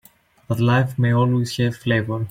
That life may always have flavor.